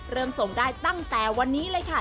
ส่งได้ตั้งแต่วันนี้เลยค่ะ